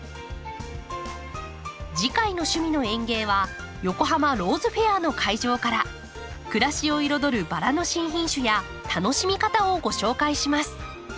次回の「趣味の園芸」は横浜ローズフェアの会場から暮らしを彩るバラの新品種や楽しみ方をご紹介します。